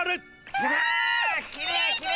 うわ！